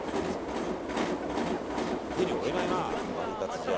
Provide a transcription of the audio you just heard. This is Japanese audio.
手に負えないな、ワリカツじゃ。